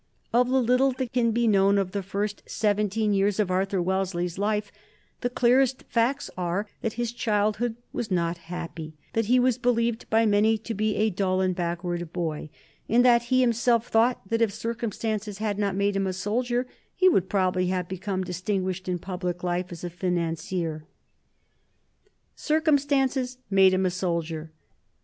Of the little that can be known of the first seventeen years of Arthur Wellesley's life the clearest facts are that his childhood was not happy, that he was believed by many to be a dull and backward boy, and that he himself thought that if circumstances had not made him a soldier he would probably have become distinguished in public life as a financier. [Sidenote 1786 97 Wellesley's military training] Circumstance made him a soldier.